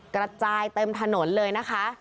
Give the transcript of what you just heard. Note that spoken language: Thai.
กระจายเต็มถนนเลยนะคะ